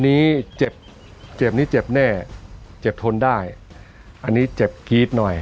อันนี้เจ็บเจ็บนี้เจ็บแน่เจ็บทนได้อันนี้เจ็บกรี๊ดหน่อย